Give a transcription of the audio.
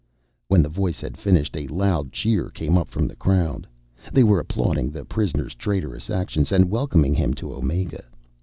When the voice had finished, a loud cheer came up from the crowd. They were applauding the prisoner's traitorous actions, and welcoming him to Omega.